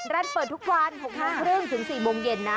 ร่านเปิดทุกวัน๖๓๐ถึง๔โมงเย็นนะ